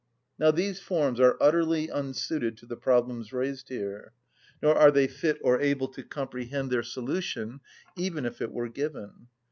Now these forms are utterly unsuited to the problems raised here, nor are they fit or able to comprehend their solution even if it were given.